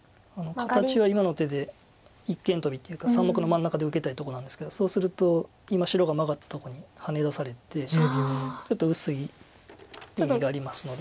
形は今の手で一間トビっていうか３目の真ん中で受けたいとこなんですけどそうすると今白がマガったとこにハネ出されてちょっと薄い意味がありますので。